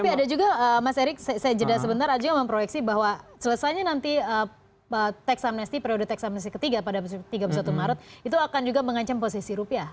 tapi ada juga mas erick saya jeda sebentar aja yang memproyeksi bahwa selesainya nanti tax amnesty periode tax amnesty ketiga pada tiga puluh satu maret itu akan juga mengancam posisi rupiah